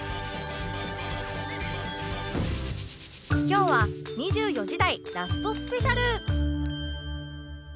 今日は２４時台ラストスペシャル